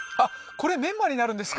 これメンマになるんですか？